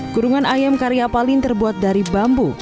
kurungan ayam karya paling terbuat dari bambu